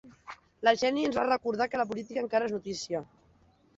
La Jenny ens va recordar que la política encara és notícia.